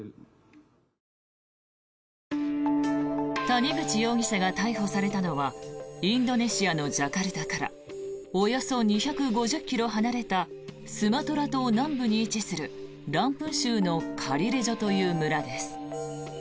谷口容疑者が逮捕されたのはインドネシアのジャカルタからおよそ２５０ｋｍ離れたスマトラ島南部に位置するランプン州のカリレジョという村です。